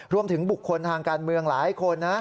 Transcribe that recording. รวมถึงบุคคลทางการเมืองหลายคนนะ